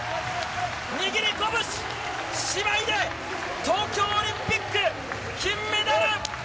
握りこぶし、姉妹で東京オリンピック金メダル。